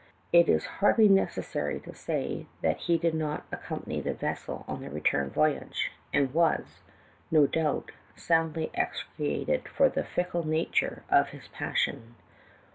It is hardly necessary to say that he did not accom pany the vessel on the return voyage, and was, no doubt, soundly execrated for the fickle nature of his passion.